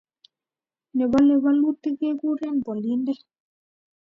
nebolei bolutik kekuren bolinde